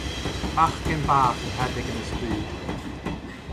bachgen bach yn rhedeg yn y stryd.